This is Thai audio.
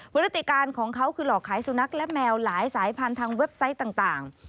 ฤติการของเขาคือหลอกขายสุนัขและแมวหลายสายพันธุ์ทางเว็บไซต์ต่าง